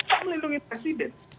untuk melindungi presiden